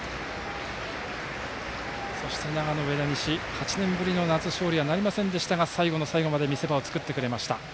そして、長野・上田西８年ぶりの夏勝利はなりませんでしたが最後の最後まで見せ場を作ってくれました。